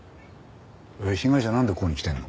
えっ被害者なんでここに来てんの？